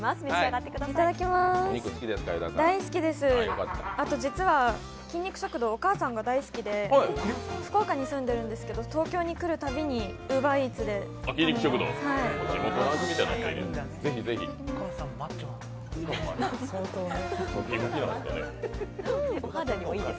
大好きです、あと実は筋肉食堂お母さんが大好きで、福岡に住んでるんですけど、東京に来るたびにＵｂｅｒＥａｔｓで。